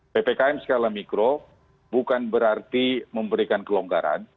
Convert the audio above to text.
ppkm skala mikro bukan berarti memberikan kelonggaran